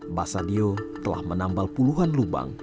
mbah sadiyu telah menampal puluhan lubang